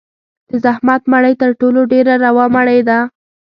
د زحمت مړۍ تر ټولو ډېره روا مړۍ ده.